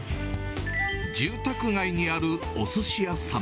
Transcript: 住宅街にあるおすし屋さん。